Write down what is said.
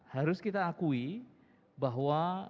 harus kita akui bahwa